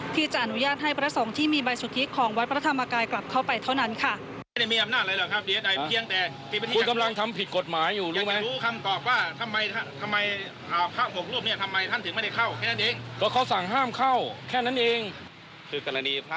ที่จะอนุญาตให้พระสงฆ์ที่มีใบสุทธิของวัดพระธรรมกายกลับเข้าไปเท่านั้นค่ะ